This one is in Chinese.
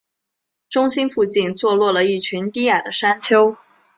中心附近坐落了一群低矮的山丘。